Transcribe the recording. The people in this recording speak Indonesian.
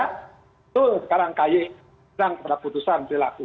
itu sekarang kayak terang pada keputusan berlaku